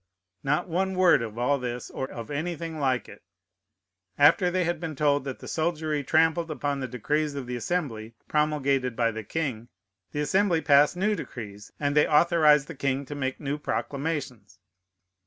Not one word of all this, or of anything like it. After they had been told that the soldiery trampled upon the decrees of the Assembly promulgated by the king, the Assembly pass new decrees, and they authorize the king to make new proclamations.